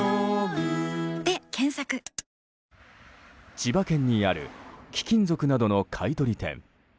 千葉県にある貴金属などの買い取り店。